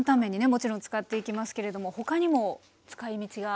もちろん使っていきますけれども他にも使いみちが？